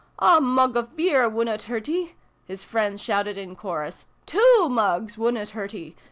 " A mug o' beer wunnut hurt 'ee !" his friends shouted in chorus. " Two mugs wunnut hurt 'ee